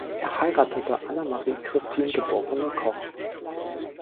Er heiratete Anna Marie Christine geborene Koch.